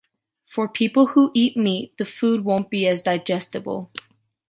For people who eat meat the food won’t be as digestible.